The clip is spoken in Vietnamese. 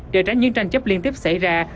để tránh những tranh chấp liên tiếp xảy ra